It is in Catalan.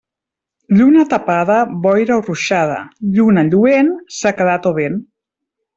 Lluna tapada, boira o ruixada; lluna lluent, sequedat o vent.